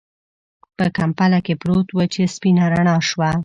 په کمپله کې پروت و چې سپينه رڼا شوه.